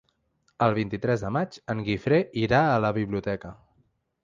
El vint-i-tres de maig en Guifré irà a la biblioteca.